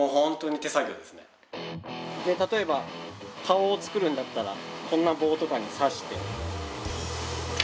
例えば顔を作るんだったらこんな棒とかに刺して。